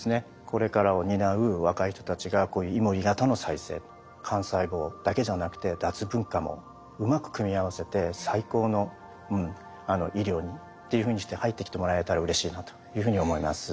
これからを担う若い人たちがこういうイモリ型の再生幹細胞だけじゃなくて脱分化もうまく組み合わせて最高の医療にっていうふうにして入ってきてもらえたらうれしいなというふうに思います。